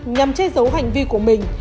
nhằm che giấu hành vi của mình